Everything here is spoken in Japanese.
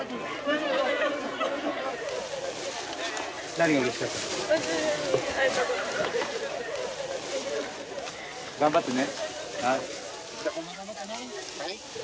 何がうれしかった？頑張ってね。